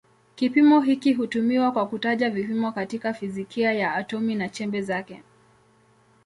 Kipimo hiki hutumiwa kwa kutaja vipimo katika fizikia ya atomi na chembe zake.